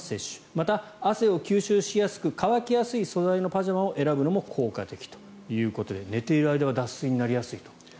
また、汗を吸収しやすく乾きやすい素材のパジャマを選ぶのも効果的ということで寝ている間は脱水になりやすいと。